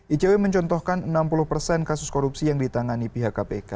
icw mencontohkan enam puluh persen kasus korupsi yang ditangani pihak kpk